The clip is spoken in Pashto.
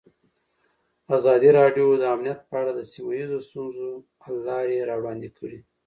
ازادي راډیو د امنیت په اړه د سیمه ییزو ستونزو حل لارې راوړاندې کړې.